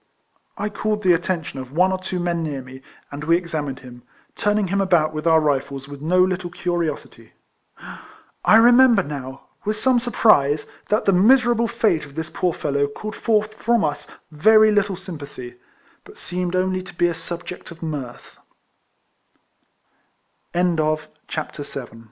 I called the attention of one or two men near me, and 108 EECOLLECTIONS OT we examined him, turning him about with our rifles with no little curiosity. I re member now, with some surprise, that the miserable fate of this poor fellow called forth from us very little sympathy, but seemed only t